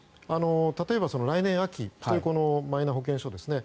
例えば来年秋のマイナ保険証ですね